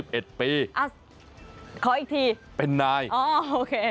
ขออีกทีอ๋อโอเค